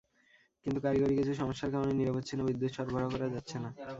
কিন্তু কারিগরি কিছু সমস্যার কারণে নিরবচ্ছিন্ন বিদ্যুৎ সরবরাহ করা যাচ্ছে না।